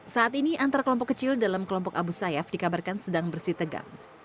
saat ini antara kelompok kecil dalam kelompok abu sayyaf dikabarkan sedang bersih tegang